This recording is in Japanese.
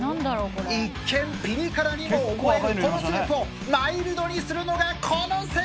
一見ピリ辛にも思えるこのスープをマイルドにするのがこの選手！